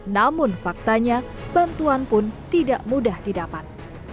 namun faktanya bantuan pun tidak mudah didapat